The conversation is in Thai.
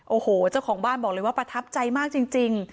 โอ้โหเจ้าของบ้านบอกเลยว่าประทับใจมากจริง